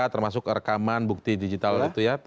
termasuk rekaman bukti digital itu ya